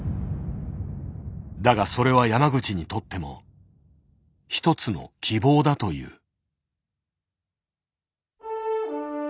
だがそれは山口にとっても一つの希望だという。